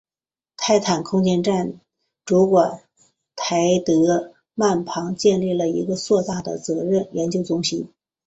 泰坦空间站主管泰德曼旁建立了一个硕大的责任研究中心。